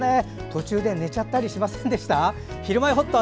途中で寝ちゃったりしませんでした？